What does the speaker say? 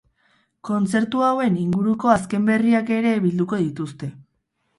Kontzertu hauen inguruko azken berriak ere bilduko dituzte.